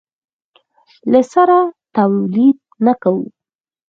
له سره تولید نه کوو.